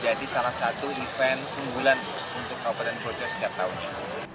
jadi salah satu event keunggulan untuk kabupaten proces ketawang